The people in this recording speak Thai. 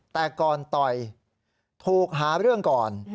แต่ก่อนต่อยถูกหาเรื่องก่อน